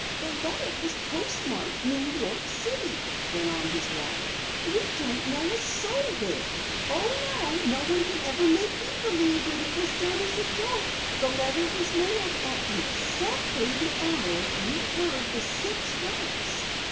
"The letter was postmarked New York City," went on his wife. "We don't know a soul there. Oh, no one ever can make me believe that it was done as a joke. The letter was mailed at exactly the hour we heard the six raps!"